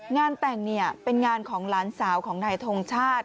งานแต่งเป็นงานของหลานสาวของนายทงชาติ